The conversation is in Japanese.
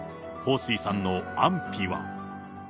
彭帥さんの安否は。